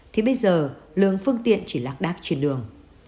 thì bây giờ lượng phương tiện chỉ lạc đáp trên đường